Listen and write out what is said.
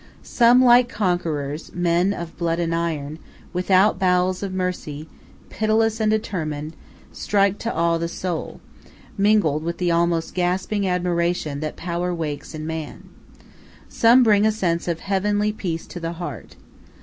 Some, like conquerors, men of blood and iron, without bowels of mercy, pitiless and determined, strike awe to the soul, mingled with the almost gasping admiration that power wakes in man. Some bring a sense of heavenly peace to the heart.